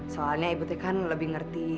soalnya ibu teh kan lebih ngerti